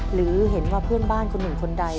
หรือเห็นว่าเพื่อนบ้านคนหนึ่งคนใด